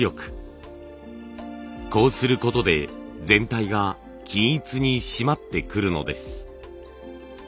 こうすることで全体が均一に締まってくるのです。